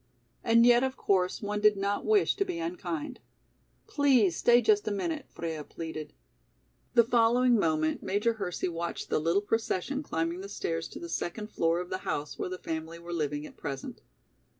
And yet of course one did not wish to be unkind. "Please stay just a minute," Freia pleaded. The following moment Major Hersey watched the little procession climbing the stairs to the second floor of the house where the family were living at present.